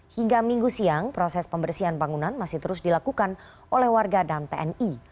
hingga minggu siang proses pembersihan bangunan masih terus dilakukan oleh warga dan tni